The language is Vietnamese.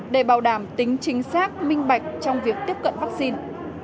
để bảo đảm tính chính xác minh bạch trong việc tiếp cận vaccine